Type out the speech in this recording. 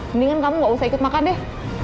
mendingan kamu gak usah ikut makan deh